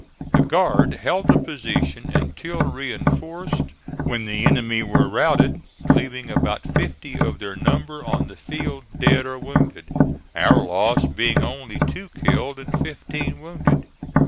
The guard held the position until reinforced, when the enemy were routed leaving about fifty of their number on the field dead or wounded, our loss being only two killed and fifteen wounded.